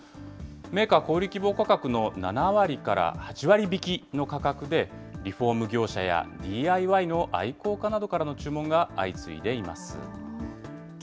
メーカー小売り希望価格の７割から８割引きの価格で、リフォーム業者やＤＩＹの愛好家などからの注文が相次いでいます。